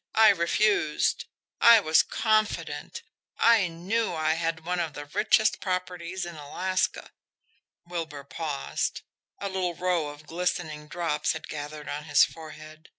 I refused I was confident, I KNEW I had one of the richest properties in Alaska." Wilbur paused. A little row of glistening drops had gathered on his forehead.